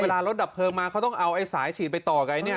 รถดับเพลิงมาเขาต้องเอาไอ้สายฉีดไปต่อกันเนี่ย